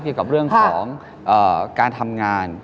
เกี่ยวกับเรื่องของการทำงาน